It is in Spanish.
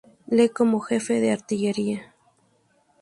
Lee como jefe de artillería.